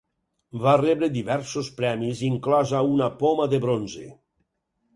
Va rebre diversos premis, inclosa una Poma de Bronze.